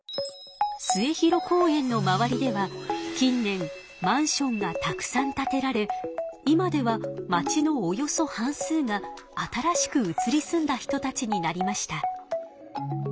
末広公園の周りでは近年マンションがたくさん建てられ今ではまちのおよそ半数が新しく移り住んだ人たちになりました。